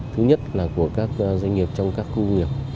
thứ nhất là của các doanh nghiệp trong các khu công nghiệp